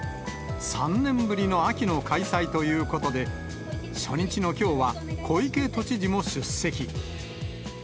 ３年ぶりの秋の開催ということで、初日のきょうは、小池都知事も出席。